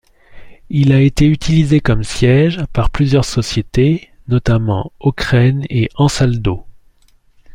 Il a été utilisé comme siège par plusieurs sociétés, notamment Ocren et Ansaldo.